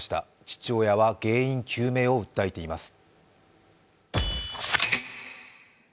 父親は原因究明を訴えています。